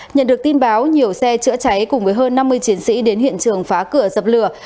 nhận được tin báo nhiều xe chữa cháy cùng với hơn năm mươi chiến sĩ đến hiện trường phá cửa dập lửa